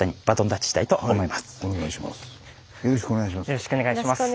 よろしくお願いします。